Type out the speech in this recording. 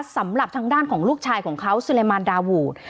สำหรับทางด้านของลูกชายของเขาซึเลมานดาวูด